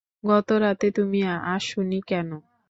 গত রাতে তুমি আস নি কেন?